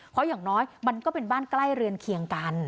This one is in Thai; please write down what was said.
เพราะอย่างน้อยมันก็เป็นบ้านใกล้เรือนเคียงกัน